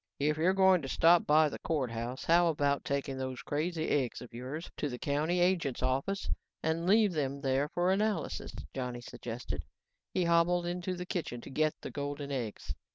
"If you're going to stop by the courthouse, how about taking those crazy eggs of yours into the county agent's office and leave them there for analysis," Johnny suggested. He hobbled into the kitchen to get the golden eggs.